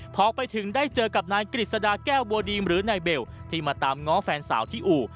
พอไปถึงได้เจอกับนายกฤษฎาแก้วบัวดีมหรือนายเบลที่มาตามง้อแฟนสาวที่อู่